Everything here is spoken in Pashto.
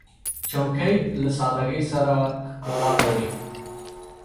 چوکۍ له سادګۍ سره ښکلا لري.